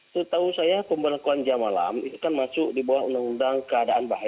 setahu saya pemberlakuan jam malam itu kan masuk di bawah undang undang keadaan bahaya